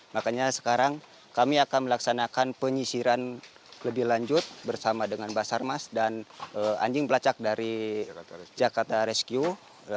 makanya sekarang kami akan melaksanakan penyisiran lebih lanjut bersama dengan basarmas dan anjing pelacak dari jakarta rescue